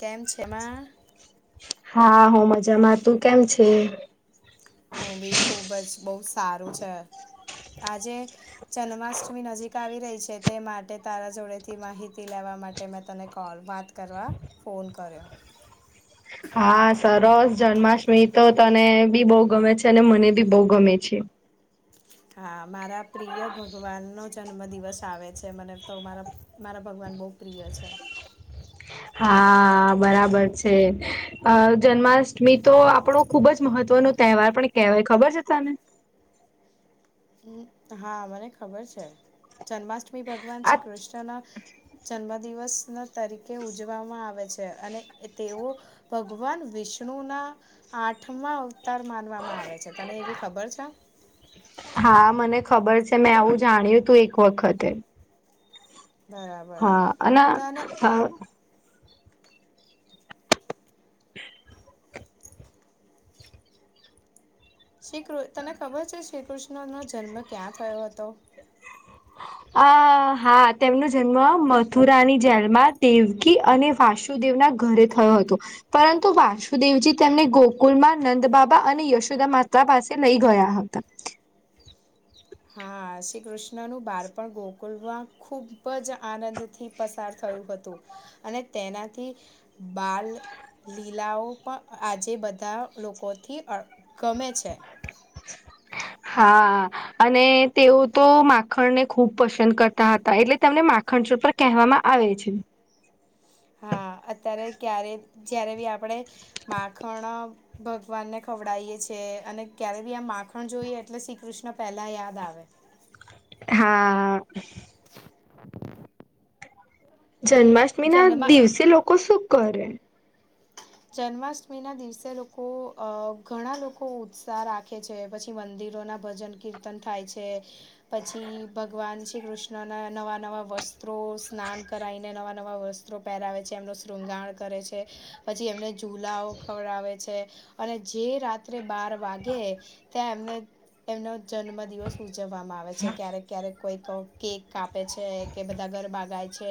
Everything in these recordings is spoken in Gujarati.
કેમ છેમાં? હા હું મજામાં તું કેમ છે? હું બી ખુબ જ બહુ સારું છે આજે જન્માષ્ટમી નજીક આવી રહી છે તે માટે તારા જોડેથી માહિતી લેવા માટે મેં તને કોલ વાત કરવા ફોન કર્યો. હા સરસ જન્માષ્ટમી તો તને બી બહુ ગમે છે અને મને બી બહુ ગમે છે. હા મારા પ્રિય ભગવાન નો જન્મ દિવસ આવે છે મને તો મારા મારા ભગવાન બહુ પ્રિય છે. હા બરાબર છે જન્માષ્ટમી તો આપણું ખુબ જ મહત્વનો તહેવાર પણ કહેવાય ખબર છે તને? હમ હા મને ખબર છે. જન્માષ્ટમી ભગવાન આ શ્રી કૃષ્ણના જન્મ દિવસના તરીકે ઉજવામાં આવે છે અને તેઓ ભગવાન વિષ્ણુના આઠમા અવતાર માનવામાં આવે છે તને એવી ખબર છે? હા મને ખબર છે મેં આવું જાણ્યું હતું એક વખતે. બરાબર. હા અને તને હ શ્રીૃ કૃ તને ખબર છે શ્રી કૃષ્ણ નો જન્મ ક્યાં થયો હતો? અ હા તેમનો જન્મ મથુરાની જેલમાં દેવ કી અને વાસુદેવ ના ઘરે થયો હતો. પરંતુ વાસુદેવજી તેમને ગોકુલમાં નંદબાબા અને યશોદા માત્ર પાસે તે લઈ ગયા હતા. હા શ્રી કૃષ્ણનું બાળપણ ગોકુલવા ખૂબ જ આનંદથી પસાર થયું હતું અને તેનાથી બાલ લીલાઓ પણ આજે બધા લોકોથી અ ગમે છે. [inaudible] હા. અને તેઉ તો માખણને ખુબ પસંદ કરતા હતા એટલે કે એમને મા ખળચોર પર કેહવામાં આવે છે. હા અત્યારે ક્યારે જ્યારે બી આપણે માખણ ભગવાનને ખવડાવીએ છીએ અને ક્યારેય બી આ માખણ જોઈએ એટલે શ્રી કૃષ્ણ પહેલાં યાદ આવે. હા. [inaudible] જન્માષ્ટમી ના જન્મા દિવસે લોકો શું કરે? જન્માષ્ટમી ના દિવસે લોકો અ ઘણા લોકો ઉત્સાહ રાખે છે પછી મંદિરો ના ભજન કીર્તન થાય છે. પછી ભગવાન શ્રી કૃષ્ણના નવા નવા વસ્ ત્રો સ્નાન કરાઈને નવા નવા વસ્ત્રો પેહરાવે છે એમનું શૃંગાણ કરે છે. પછી એમને ઝુલાઓ ખવડાવે છે અને જે રાત્રે બાર વાગે ત્યાં એમને એમનો જન્મદિવસ ઉજવવામાં આવે છે ક્યારેક ક્યારેક કોઈક કેક કાપે છે કે બધા ગરબા ગાય છે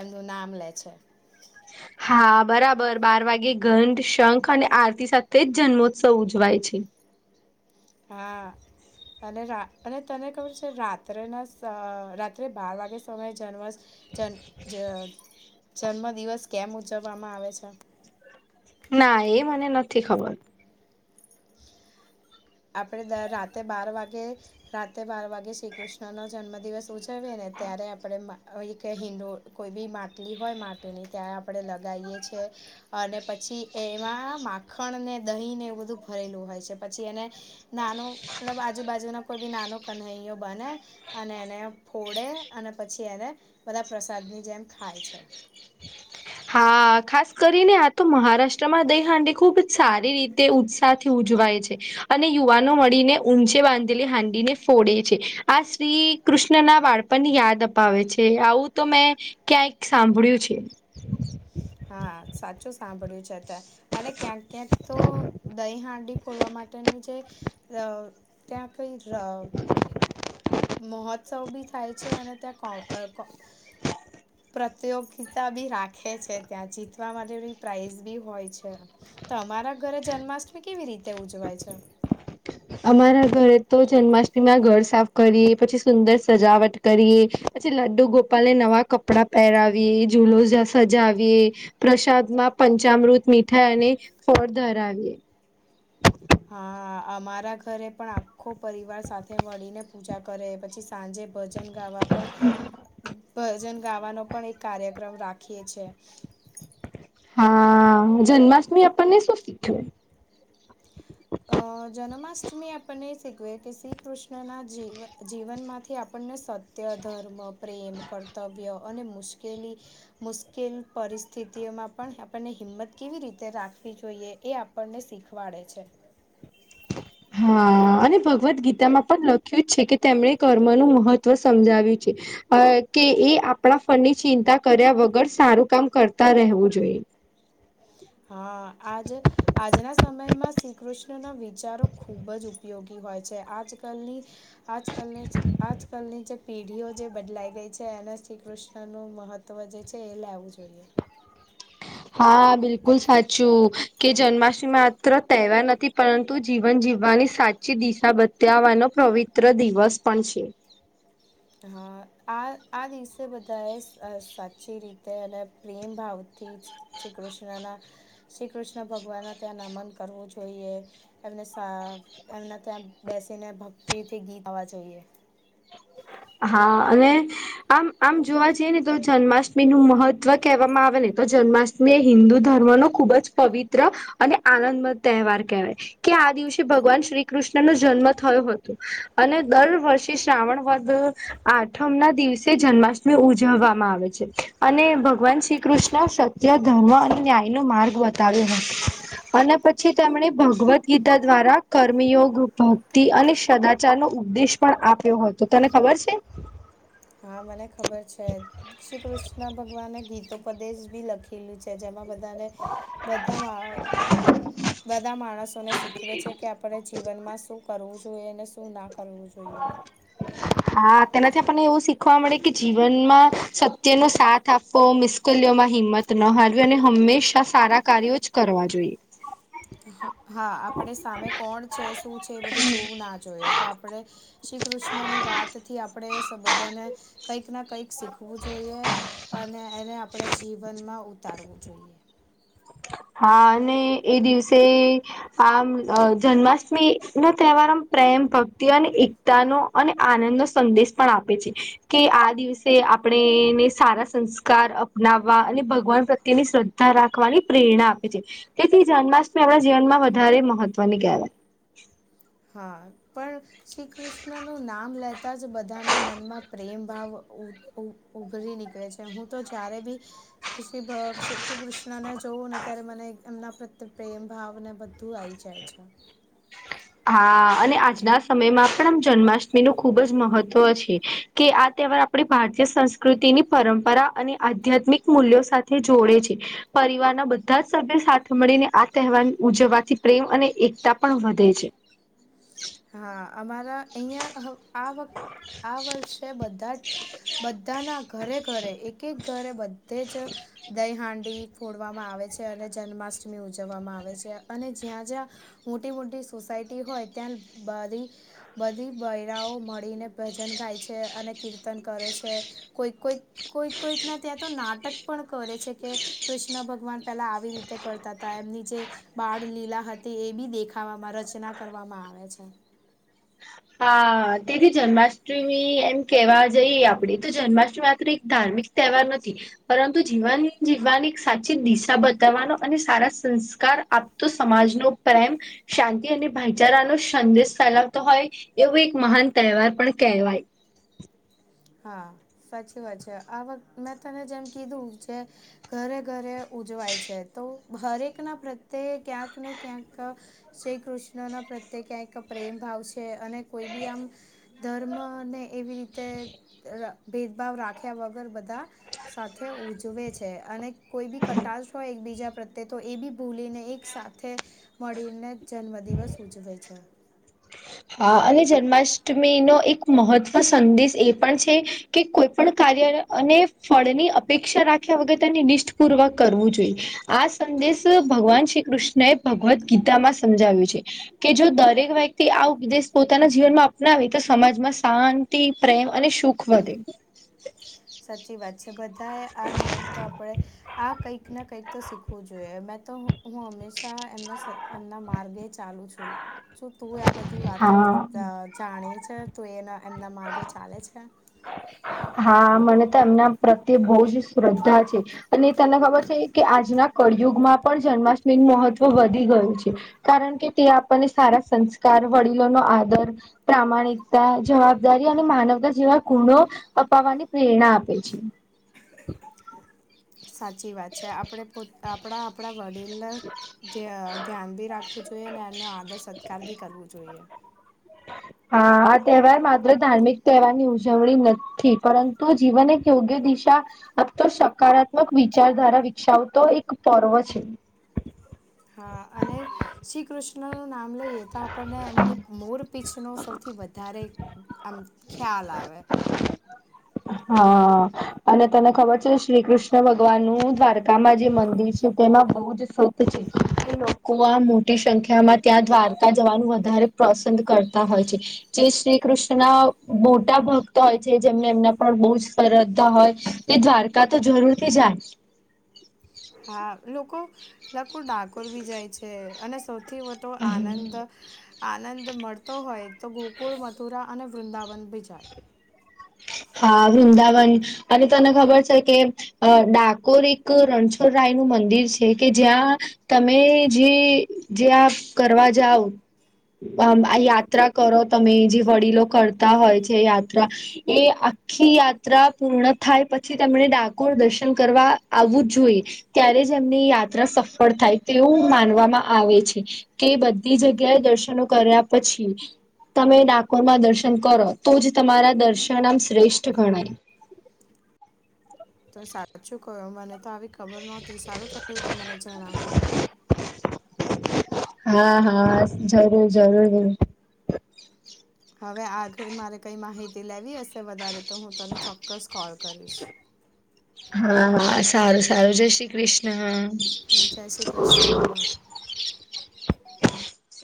એમનું નામ લે છે. હા બરાબર બાર વાગે ઘંધ, શંખ અને આરતી સાથે જ જન્મોત્સવ ઉજવાય છે. હા. અને રા અને તને ખબર છે રાત્રેના સ રાત્રે બાર વાગે સમયે જન્મા જન જ જન્મ દિવસ કેમ ઉજવવામાં આવે છે? ના એ મને નથી ખબર. આપડે ડ રાતે બાર વાગે રાતે બાર વાગે શ્રી કૃષ્ણનો જન્મ દિવસ ઉજચવીએ ને ત્યારે આપણે કે હીંડો કોઈ બી માટલી હોય માટીની ત્યાં આપણે લગાઇયે છે. અને પછી એમાં માખણ ને દહીં ને એવું બધું ભરેલું હોય છે પછી એને નાનો મતલબ આજુબાજુનો કોઈ બી નાનો કન્હૈયો બને અને એને ફોડે અને પછી એને બધા પ્રસાદ ની જેમ ખાય છે. હા ખાસ કરીને આ તો મહારાષ્ટ્રમાં દઈહાંડી ખુબ જ સારી રીતે ઉત્સાહથી ઉજવાય છે અને યુવાનો મળીને ઊંચે બાંધેલી હાંડી ને ફોડે છે. આ શ્રી કૃષ્ણ ના વાળપણ યાદ અપાવે છે આવું તો મેં ક્યાંય સાંભળ્યું છે. હા સાચું સાંભળ્યું છે તે. અને ક્યાંક ક્યાંક તો દહી હાંડી ફોડવા માટેનું જે ર ત્યાં કઈ ર મહોત્સવ બી થાય છે અને ત્યાં કો અ કો પ્રતિયોગતા બી રાખે છે ત્યાં જીતવા માટે પ્રાઇઝ બી હોય છે તમારા ઘરે જન્માષ્ટમી કેવી રીતે ઉજવાય છે અમારા ઘરે તો જન્માષ્ટમીમાં ઘર સાફ કરીએ પછી સુંદર સજાવટ કરીએ પછી લડ્ડુ ગોપાલ નવા કપડા પહેરાવીએ જુલો સજાવીએ પ્રસાદ માં પંચામૃત મીઠાઈ અને ફળ ધરાવીએ હા અમારા ઘરે પણ આખો પરિવાર સાથે મળીને પૂજા કરે પછી સાંજે ભજન ગાવા પણ ભજન ગાવાનો પણ એક કાર્યક્રમ રાખીએ છીએ હા જન્માષ્ટમી આપણને શું શીખ્યું જન્માષ્ટમી આપ આપને એ શીખ કે શ્રી કૃષ્ણના જીવન માંથી આપણને ત્ય ધર્મ પ્રેમ કર્તવ્ય અને મુશ્કેલી મુશ્કેલ પરિસ્થિતિઓમાં પણ આપને હિંમત કેવી રીતે રાખવી જોઈએ એ આપણને શીખવાડે છે હા અને ભગવદ ગીતામાં પણ લખ્યું જ છે કે તેમણે કર્મનુંું મહત્વ સમજાવ્યું છે અ કે એ આપણા ફનની ચિંતા કર્યા વગર સારું કામ કરતા રહેવું જોઈએ હા આજ આજના સમયમાં શ્રીકૃષ્ણના વિધ વિચારો ખૂબ જ ઉપયોગી હોય છે આજકાલની આજકાલની આજકાલની જે પેઢીઓ જે બદલાઈ ગઈ છે એના શ્રીકૃષ્ણનું મહત્ત્વ જે છે એ લેવું જોઈએ. હા બિલકુલ સાચું કે જન્મા્ટમી માત્ર તહેવાર નથી પરંતુ જીવન જીવવાની સાચી દિશા તંવાનો પવિત્ર દિવસ પણ છે હા આ આ દિવસે બધા એ સાચી રીતે અને પ્રેમ ભાવથી જ શ્રી કૃષ્ણના શ્રી કૃષ્ણ ભગવાન ના ત્યાં નમન કરવું જોઈએ એમને એમના ત્યાં બેસીને ભક્તિથી ગીત ગાવા જોઈએ હા અને આમ આમ જોવા જઈએ ને તો જન્માષ્ટમી નું મહત્વ કહેવામાં આવે ને તો જન્માષ્ટમી ને હિન્દુ ધર્મ નો ખુબ જ પવિત્ર અને આનંદમંદ તહેવાર કહેવાય કે આ દિવસે ભગવાન શ્રી કૃષ્ણ નો જન્મ થયો હતો અને દર વર્ષે શ્રાવણ વ તો તો આઠમ ના દિવસે જન્માષ્ટમી ઉજવવામાં આવે છે અને ભગવાન શ્રી કૃષ્ણ ત્યાં ધર્મ અને ન્યાય નો માર્ગ બતાવ્યો હતો. અને પછી તેમણે ભગવદ્ ગીતા દ્વારા કર્મયોગ ભક્તિ અને સદાચાર નો ઉપદ્દેશ પણ આપ્યો હતો તને ખબર છે. હા મને ખબર છે શ્રી કૃષ્ણ ભગવાને ગીતો પદે જ બી લખેલું છે. છે જેમાં બધાને બધા બધા માણસોને શીખવે છે કે આપણે જીવનમાં શું કરવું જોઈએ ને શું ના કરવું જોઈએ. હા તેનાથી આપણને એવું શીખવા મળે કે જીવનમાં સત્યનોો સાથ આપવો મુશ્કલીઓ માં હિંમત ન હારવી અને હંમેશા સારા કાર્યો જ કરવા જોઈએ. હા આપણે સામે કોણ છે શું છે એ બધું જોવું ના જોઈએ તો આપણે શ્રી કૃષ્ણ ની વાત થી આપણેે બધાને કંઈક ના કંઈક શીખવું જોઈએ અને એને આપણા જીવનમાં ઉતારવું જોઈએ. હા અને એ દિવસે આમ જન્માષ્ટમી નો તહેવાર આમ પ્રેમ ભક્તિ અને તા નો અને આનંદ નો સંદેશ પણ આપે છે. કે આ દિવસે આપણેને સારા સંસ્કાર અપનાવવા અને ભગવાન પ્રત્યેની શ્રદ્ધા. રાખવાની પ્રેરણા આપે છે તેથી જન્માષ્ટમી આપણા જીવન માં વધારે મહત્વની કહેવાય છે. હા પણ શ્રી કૃષ્ણનું નામ લેતા જ બધાના મનમાં પ્રેમ ભાવ ઉભરી નીકળે છે હું તો જ્યારે બી પછી ભ શ્રીકૃષ્ણને જોવું ને ત્યારે. મને એમના પ્રત્યે પ્રેમ ભાવ ને બધું આઈ જાય છે. હા અને આજના સમયમાં આપણામાં જન્માષ્ટમી નું ખુબ જ મહત્વ છે કે આ તહેવાર આપણી ભારતીય સં સંકૃતિની પરંપરા અને આધ્યાત્મિક મૂલ્યો સાથે જોડે છે. પરિવારના બધા જ સભ્યો સાથે મળીને આ તહેવાર ઉજવવાથી પ્રેમ અને એકતા પણ વધે છે. હા અમારા અહીંયા હ આ વ આ વર્ષે બધા. બધા બધાના ઘરે ઘરે એક એક ઘરે. તે જ દહી હાંડી ફોડવામાં આવે છે અને જન્માષ્ટમી ઉજવવામાં આવે છે અને જ્યાં જ્યાં મોટી મોટી સોસાયટી હોય ત્યાં બધી. બધી બૈરાઓ મળીને ભજન ગાય છે અને કીર્તન કરે છે. કોઈક કોઈક કોઈક કોઈક ના ત્યાં તો નાટક પણ કરે છે કે. કૃષ્ણ ભગવાન પેલા આવી રીતે કરતા હતા એમની જે. બાળ લીલા હતી એ બી દેખાવામાં રચના કરવામાં આવે છે. હા તેથી જન્માષ્ટમી એમ કેવા જઈએ આપડી તો જન્માષ્ટમી માત્ર એક ધાર્મિક તહેવાર નથી પરંતુ જીવવાન જીવવાની એક સાચી દિશા બતાવવાનો અને સારા સંસ્કાર આપ તો સમાજનો પ્રેમ શાંતિ અને ભાઈ ચારાનો સંદેશ ફેલાવતો હોય. એવું એક મહાન તહેવાર પણ કેહેવાય. હા સાચી વાત છે આ વાત મેં તને જેમ કીધું જે. ઘરે ઘરે ઉજવાય છે તો હરેક ના પ્રત્યે ક્યાંક ને ક્યાંક શ્રી કૃષ્ણ ના પ્રત્યે ક્યાંક પ્રેમ ભાવ છે અને કોઈ બી આમ ધર્મ ને એવી રીતે અ ભેદભાવ રાખ્યા વગર બધા સાથે ઉજવે છે અને કોઈ બી કટાશ હોય એકબીજા પ્રત્યે તો એ બી ભૂલીને એક સાથે મળીને જન્મ દિવસ ઉજવે છે. હા અને જન્માષ્ટમી નો એક મહત્વ સંદેશ એ પણ છે. કે કોઈ પણ કાર્ય અને ફળની અપેક્ષા રાખ્યા વગર તેને નિષ્ઠપૂર્વક કરવું જોઈએ. આ સંદેશ ભગવાન શ્રી કૃષ્ણ એ ભગવદ્ ગીતા માં સમજાવ્યું છે. કે જો દરેક વ્યક્તિ આવ. વિદેશ પોતાના જીવનમાં અપનાવે તો સમાજમાં શાંતિ પ્રેમ અને સુખ વધે. સાચી વાત છે બધાએ આ નિયમ તો આપડે. આ કંઈક ના કંઈક તો શીખવું જોઈએ મેં તો હું હંમેશા એમના એમના માર્ગે જ. ચાલુ છું શું તું આ બધું. ની વાતો હા જા જાણીએ છે તો એના એમના માર્ગે ચાલે છે. હા મને તો એમના પ્રત્યે બહુ જ શ્રદ્ધા છે. અને તને ખબર છે કે આજના કળિયુગમાં પણ જન્માષ્ટમીનું મહત્વ વધી ગયું છે. કારણ કે તે આપણને સારા સંસ્કાર વડીલોનો આદર. પ્રામાણિકતા જવાબદારી અને માનવતા જેવા ગુણો અપાવવાની પ્રેરણા આપે છે. સાચી વાત છે આપણે પો આપણા આપણા વડીલ. લ ઘ્ય ધ્યાન બી રાખવું જોઈએ અને એમનો આદર સત્કાર બી કરવો જોઈએ. હા આ તહેવાર માત્ર ધાર્મિક તહેવારની ઉજવણી નથી પરંતુ જીવન એક યોગ્ય દિશા આ તો સકારાત્મક વિચારધારા વિકસાવતો એક પર્વ છે. હા અને શ્રી કૃષ્ણ નું નામ લઈએ તો આપણને એમની મોર પીછનો સૌથી વધારે આમ ખ્યાલ આવે. હા અને તને ખબર છે શ્રી કૃષ્ણ ભગવાન નું દ્વારકામાં જે મંદિર છે. કે તેમાં બહુ જ સુખ છે લોકો આ મોટી સંખ્યામાં- ત્યાં દ્વારકા જવાનું વધારે પસંદ કરતા હોય છે. જે શ્રી કૃષ્ણના મોટા ભક્ત હોય છે જેમને એમના પણ બહુ જ શ્રદ્ધા હોય- એ દ્વારકા તો જરૂર થી જાય- હા લોકો લક ડાકોર બી જાય છે અને સૌ- ઉથી વધતોો આનંદ- આનંદ મળતો હોય તો ગોકુળ મથુરા અને વૃંદાવન બી જાય- હા વૃંદાવન અને તને ખબર છે કે- અ ડાકોર એક રણછોડ રાય નું મંદિર છે કે જ્યાં- તમે જે જે આપ કરવા જાવ- આ યાત્રા કરો તમે જે વડીલો કરતા હોય છે યાત્રા- એ આખી યાત્રા પૂર્ણ થાય પછી તેમને ડાકોર દર્શન કરવા આવવું જ જોઈએ- ત્યારે જ એમની યાત્રા સફળ થાય તેવું માનવામાં આવે છે. કે બધી જગ્યાએ દર્શનો કર્યા પછી- તમે ડાકોરમાં દર્શન કરો તો જ તમારા દર્શનામ શ્રેષ્ઠ ગણાય- તો સાચું કયો મને તો આવી ખબર નહોતી સારું થયું તે મને જણાવ્યું- હા હા જરૂર જરૂર- હવે આગળ મારે કઈ માહિતી લેવી હશે વધારે તો હું તને ચોક્કસ કોલ કરીશ- હાા સારું સારું જ શ્રી કૃષ્ણ- જય શ્રી કૃષ્ણ-